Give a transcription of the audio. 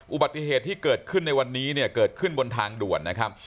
อุบัติเหตุที่เกิดขึ้นในวันนี้เนี่ยเกิดขึ้นบนทางด่วนนะครับ